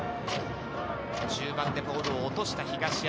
中盤でボールを落とした東山。